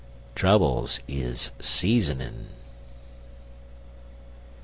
Troubles is seasonin'.